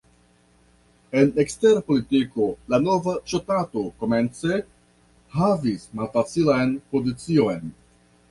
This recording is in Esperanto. En ekstera politiko la nova ŝtato komence havis malfacilan pozicion.